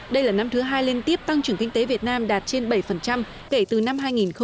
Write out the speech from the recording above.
đây là năm thứ hai liên tiếp tăng trưởng kinh tế việt nam đạt trên bảy kể từ năm hai nghìn một mươi